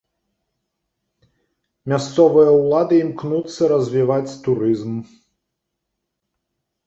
Мясцовыя ўлады імкнуцца развіваць турызм.